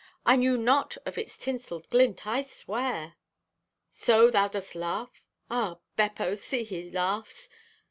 I knew not of its tinselled glint, I swear! "So, thou dost laugh? Ah, Beppo, see, he laughs!